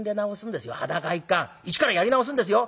一からやり直すんですよ。